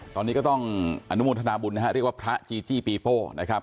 ตอนนี้ก็ต้องอนุโมทนาบุญนะฮะเรียกว่าพระจีจี้ปีโป้นะครับ